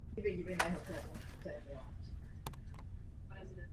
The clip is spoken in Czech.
Na svoji velikost je poměrně rychlé ale ne obojživelné.